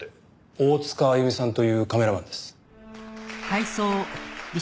大塚あゆみさんというカメラマンです。